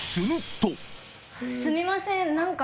すみません。